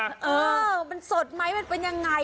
เออมันสดไหมมันเป็นยังไง